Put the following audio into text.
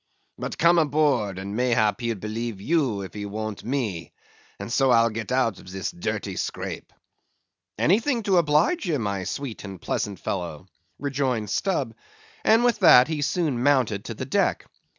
But come aboard, and mayhap he'll believe you, if he won't me; and so I'll get out of this dirty scrape." "Anything to oblige ye, my sweet and pleasant fellow," rejoined Stubb, and with that he soon mounted to the deck.